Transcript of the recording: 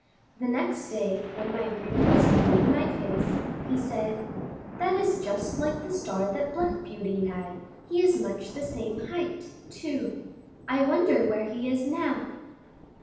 The next day, when my groom was cleaning my face, he said: "That is just like the star that Black Beauty had, he is much the same height, too; I wonder where he is now."